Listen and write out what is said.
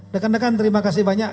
dekan dekan terima kasih banyak